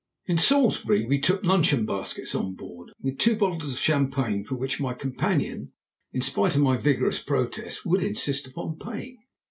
In Salisbury we took luncheon baskets on board, with, two bottles of champagne, for which my companion, in spite of my vigorous protest, would insist upon paying.